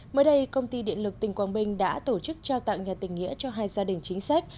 mới đây công ty điện lực tỉnh quảng bình đã tổ chức trao tặng nhà tình nghĩa cho hai gia đình chính sách